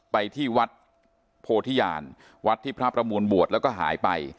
ไปที่วัดโพธิญาณวัดที่พระประมูลบวชแล้วก็หายไป